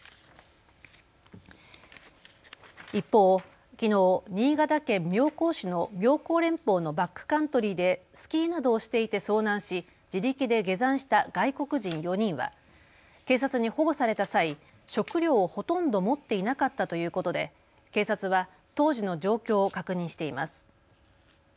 一方、きのう新潟県妙高市の妙高連峰のバックカントリーでスキーなどをしていて遭難し自力で下山した外国人４人は警察に保護された際、食料をほとんど持っていなかったということで警察は当時の状況を確認しています。